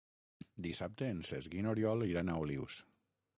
Dissabte en Cesc i n'Oriol iran a Olius.